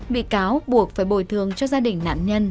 bị cáo buộc phải bồi thường cho gia đình nạn nhân